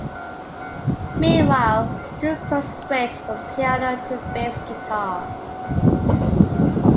Meanwhile, Stu Cook switched from piano to bass guitar.